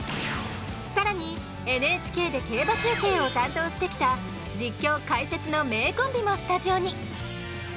更にＮＨＫで競馬中継を担当してきた実況解説の名コンビもスタジオに！